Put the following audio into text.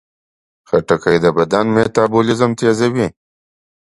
خټکی د بدن میتابولیزم تیزوي.